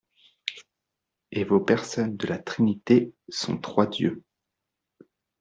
Et vos personnes de la Trinité sont trois Dieux.